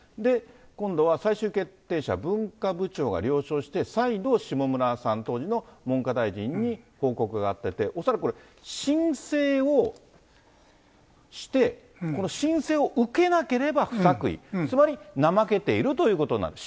今度は最終決定者、文化部長が了承して、再度、下村さん、当時の文科大臣に報告が上がってて、恐らくこれ、申請をして、この申請を受けなければ不作為、つまり、怠けているということになる。